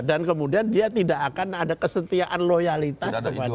dan kemudian dia tidak akan ada kesetiaan loyalitas kepada